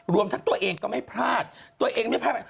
รวมทั้งตัวเองก็ไม่พลาดตัวเองไม่พลาดไป